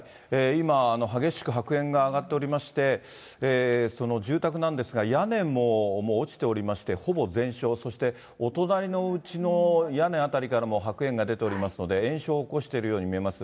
今、激しく白煙が上がっておりまして、その住宅なんですが、屋根も落ちておりまして、ほぼ全焼、そしてお隣のおうちの屋根辺りからも白煙が出ておりますので、延焼を起こしているように見えます。